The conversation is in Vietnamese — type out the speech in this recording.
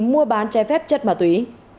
mua bán trái phép chất mà tùy